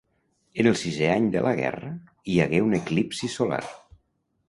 En el sisè any de la guerra, hi hagué un eclipsi solar.